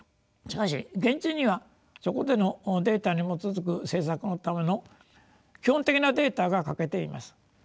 しかし現実にはそこでのデータにもとづく政策のための基本的なデータが欠けています。